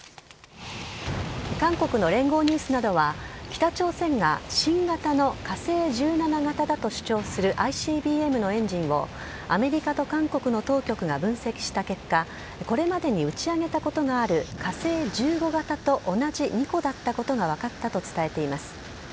韓国の聯合ニュースなどは、北朝鮮が新型の火星１７型だと主張するＩＣＢＭのエンジンを、アメリカと韓国の当局が分析した結果、これまでに打ち上げたことがある、火星１５型と同じ２個だったことが分かったと伝えています。